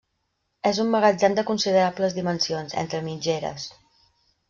És un magatzem de considerables dimensions, entre mitgeres.